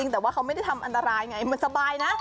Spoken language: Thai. แต่เขาไม่ได้ทำอร่ายไงมันสบายนะ